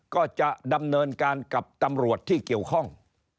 ก็จะดำเนินการกับตำรวจที่เกี่ยวข้อง